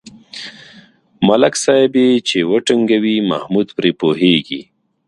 ملک صاحب یې چې و ټنگوي محمود پرې پوهېږي.